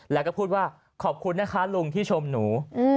แล้วก็พูดว่าขอบคุณนะคะลุงที่ชมหนู